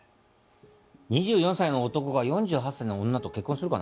２４歳の男が４８歳の女と結婚するかな？